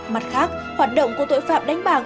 mặt khác hoạt động của tội phạm đánh bạc